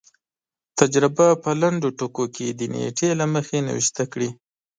تجربه په لنډو ټکو کې د نېټې له مخې نوشته کړي.